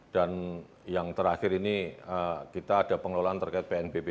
dan yang terakhir ini kita ada pengelolaan terkait pnbb